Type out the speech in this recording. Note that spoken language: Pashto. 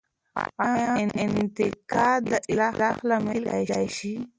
آیا انتقاد د اصلاح لامل کیدای سي؟